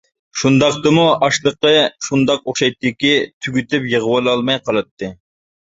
شۇنداقتىمۇ ئاشلىقى شۇنداق ئوخشايتتىكى، تۈگىتىپ يىغىۋالالماي قالاتتى.